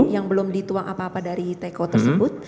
yang belum dituang apa apa dari teko tersebut